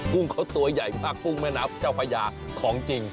กุ้งเขาตัวใหญ่มากกุ้งแม่น้ำเจ้าพระยาของจริง